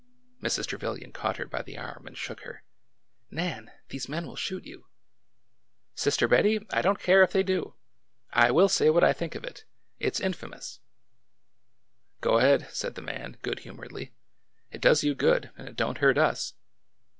" Mrs. Trevilian caught her by the arm and shook her. Nan 1 these men will shoot you 1 "'' Sister Bettie, I don't care if they do ! I will say what I think of it ! It 's infamous I "'' Go ahead !" said the man, good humoredly. It does you good, and it don't hurt us."